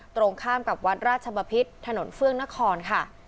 ตรงข้ามกับวัดราชบพิษถนนเฟื่องนครค่ะ